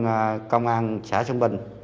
cảm ơn công an xã xuân bình